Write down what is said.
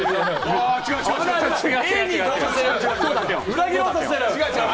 裏切ろうとしてる！